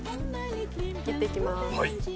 切っていきます。